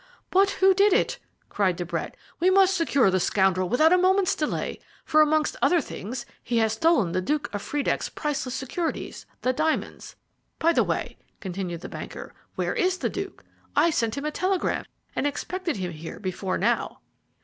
"But who did it?" cried De Brett. "We must secure the scoundrel without a moment's delay, for amongst other things he has stolen the Duke of Friedeck's priceless securities, the diamonds. By the way," continued the banker, "where is the Duke? I sent him a telegram and expected him here before now."